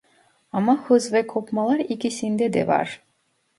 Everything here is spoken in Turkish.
Ama hız ve kopmalar ikisinde de var